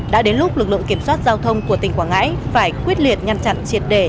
đã đến lúc lực lượng kiểm soát giao thông của tỉnh quảng ngãi phải quyết liệt ngăn chặn triệt để